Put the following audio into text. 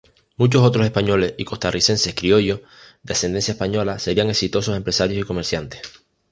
Muchos otros españoles y costarricenses criollos de ascendencia española serían exitosos empresarios y comerciantes.